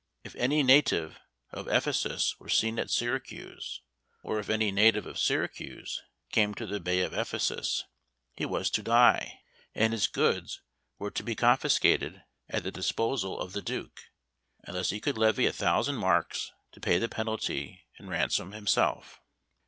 If any native of Ephesus were seen at Syracuse, or if any native of Syracuse came to the Bay of Ephesus, he was to die, and his goods were to be confiscated at the disposal of the Duke, unless he could levy a thousand marks to pay the penalty and ransom himself.